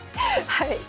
はい。